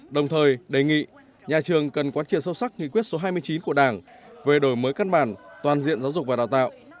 đồng thời đề nghị nhà trường cần quan triển sâu sắc nghị quyết số hai mươi chín của đảng về đổi mới căn bản toàn diện giáo dục và đào tạo